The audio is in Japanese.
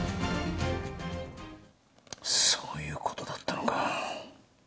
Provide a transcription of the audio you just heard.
そういうことだったのか。